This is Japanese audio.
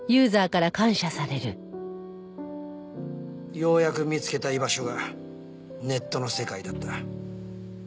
ようやく見つけた居場所がネットの世界だった。